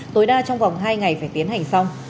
tối đa trong vòng hai ngày phải tiến hành xong